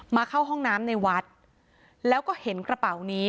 เข้าห้องน้ำในวัดแล้วก็เห็นกระเป๋านี้